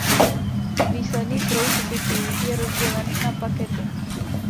Výsledný proud bitů je rozdělen na pakety.